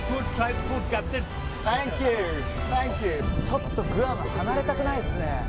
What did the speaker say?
ちょっとグアム離れたくないですね。